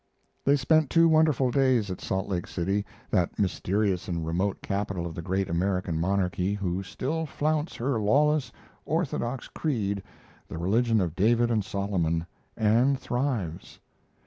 They spent two wonderful days at Salt Lake City, that mysterious and remote capital of the great American monarchy, who still flaunts her lawless, orthodox creed the religion of David and Solomon and thrives.